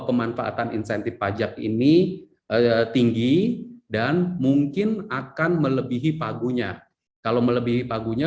pemanfaatan insentif pajak ini tinggi dan mungkin akan melebihi pagunya kalau melebihi pagunya